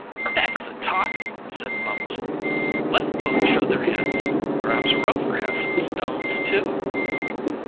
"That's the talk!" said Mumps. "Let both show their hands! Perhaps Rover has some stones, too!"